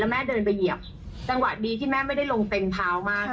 แม่เดินไปเหยียบจังหวะดีที่แม่ไม่ได้ลงเต็มเท้ามาก